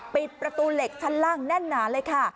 ปิดประตูเหล็กชั้นล่างแน่นหนาเลยค่ะ